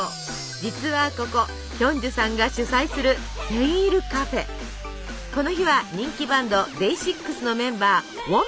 実はここヒョンジュさんが主催するこの日は人気バンドＤＡＹ６のメンバーウォンピルの誕生日。